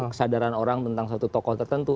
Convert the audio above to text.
kesadaran orang tentang satu tokoh tertentu